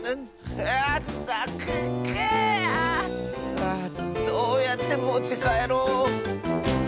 ああどうやってもってかえろう。